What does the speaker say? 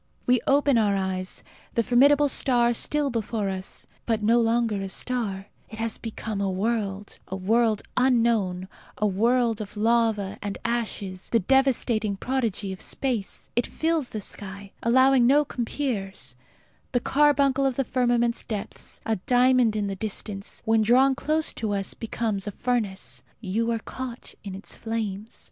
We open our eyes: the formidable star is still before us; but, no longer a star, it has become a world a world unknown, a world of lava and ashes; the devastating prodigy of space. It fills the sky, allowing no compeers. The carbuncle of the firmament's depths, a diamond in the distance, when drawn close to us becomes a furnace. You are caught in its flames.